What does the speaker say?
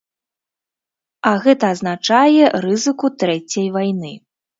А гэта азначае рызыку трэцяй вайны.